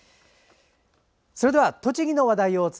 それでは栃木の話題。